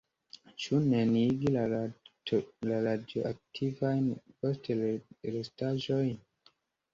Ĉu neniigi la radioaktivajn postrestaĵojn?